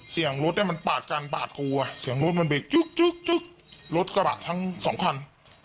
เสียงรถเนี่ยมันปาดกันปาดกลัวเสียงรถมันเบรกจุ๊กจุ๊กรถกระบะทั้งสองคัน